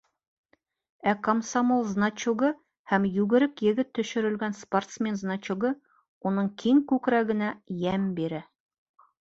Ә комсомол значогы һәм йүгерек егет төшөрөлгән спортсмен значогы уның киң күкрәгенә йәм бирә.